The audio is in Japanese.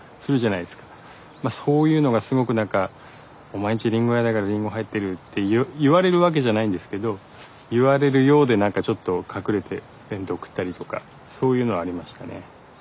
まあそういうのがすごく何か「おまえんちりんご屋だからりんご入ってる」って言われるわけじゃないんですけど言われるようで何かちょっと隠れて弁当食ったりとかそういうのはありましたね。